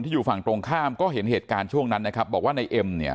อยู่ฝั่งตรงข้ามก็เห็นเหตุการณ์ช่วงนั้นนะครับบอกว่าในเอ็มเนี่ย